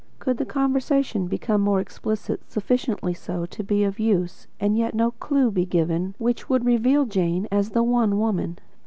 Could the conversation become more explicit, sufficiently so to be of use, and yet no clue be given which would reveal Jane as the One Woman?